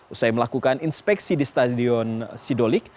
usai melakukan inspeksi di stadion sidolik